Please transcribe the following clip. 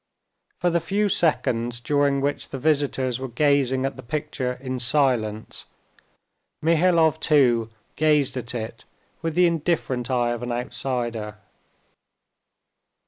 For the few seconds during which the visitors were gazing at the picture in silence Mihailov too gazed at it with the indifferent eye of an outsider.